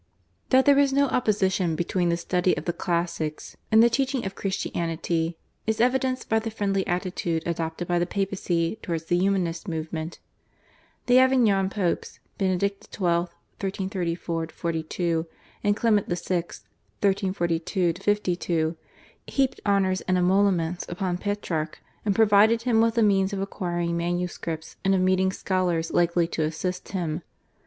That there was no opposition between the study of the classics and the teaching of Christianity is evidenced by the friendly attitude adopted by the Papacy towards the Humanist movement. The Avignon Popes, Benedict XII. (1334 42) and Clement VI. (1342 52), heaped honours and emoluments upon Petrarch and provided him with the means of acquiring manuscripts and of meeting scholars likely to assist him.